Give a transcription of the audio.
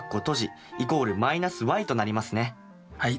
はい。